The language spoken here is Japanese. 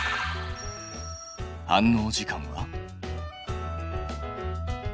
反応時間は。